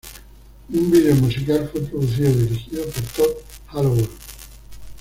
Un video musical fue producido, dirigido por Todd Hallowell.